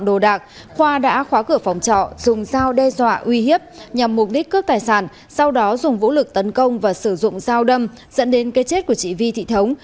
trước khoa đã khóa cửa phòng trọ dùng dao đe dọa uy hiếp nhằm mục đích cướp tài sản sau đó dùng vũ lực tấn công và sử dụng dao đâm dẫn đến cái chết của chị vi thị thống